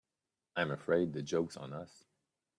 I'm afraid the joke's on us.